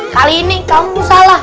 kali ini kamu salah